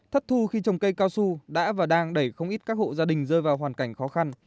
thất thu khi trồng cây cao su đã và đang đẩy không ít các hộ gia đình rơi vào hoàn cảnh khó khăn